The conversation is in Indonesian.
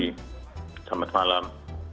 terima kasih selamat malam